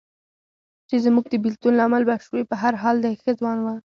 چې زموږ د بېلتون لامل به شوې، په هر حال دی ښه ځوان و.